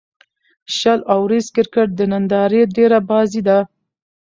شل اووريز کرکټ د نندارې ډېره بازي ده.